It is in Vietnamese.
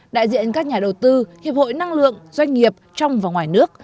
đại diện các nhà đầu tư hiệp hội năng lượng doanh nghiệp trong và ngoài nước